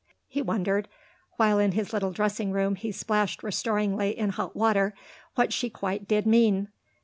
He wondered, while in his little dressing room he splashed restoringly in hot water, what she quite did mean.